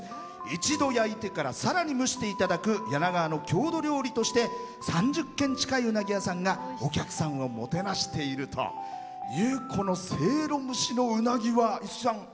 一度焼いてからさらに蒸していただく柳川の郷土料理として３０軒近いうなぎ屋さんがお客さんをもてなしているというこのせいろ蒸しのうなぎは五木さん？